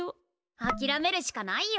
あきらめるしかないよ。